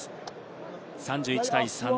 ３１対３。